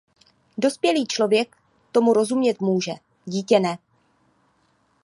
Dospělý člověk tomu rozumět může, dítě ne.